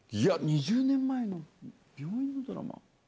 ２０年前の病院のドラマ？